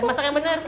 masak yang bener